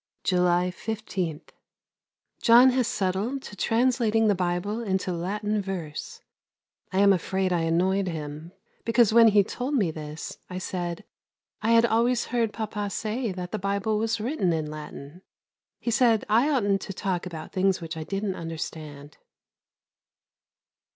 July 15. John has settled to translating the Bible into Latin verse. I am afraid I annoyed him; because when he told me this, I said I had always heard Papa say that the Bible was written in Latin. He said I oughtn't to talk about things which I didn't understand.